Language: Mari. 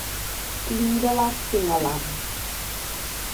Лӱмдылаш тӱҥалам: